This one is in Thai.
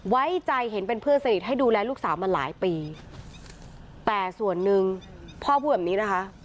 ไว้ใจเห็นเป็นเพื่อนสนิทให้ดูแลลูกสาวมาหลายปีแต่ส่วนหนึ่งพ่อพูดแบบนี้นะคะ